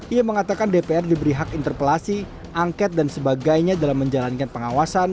ia mengatakan dpr diberi hak interpelasi angket dan sebagainya dalam menjalankan pengawasan